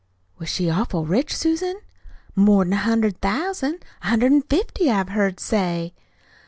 "Was she awful rich, Susan?" "More'n a hundred thousand. A hundred an' fifty, I've heard say."